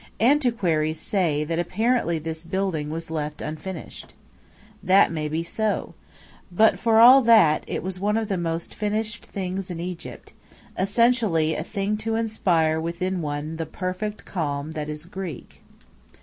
Antiquaries say that apparently this building was left unfinished. That may be so. But for all that it was one of the most finished things in Egypt, essentially a thing to inspire within one the "perfect calm that is Greek."